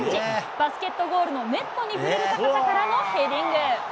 バスケットゴールのネットに触れる高さからのヘディング。